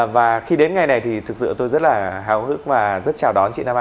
và khi đến ngày này thì thực sự tôi rất là hào hức và rất chào đón chị nama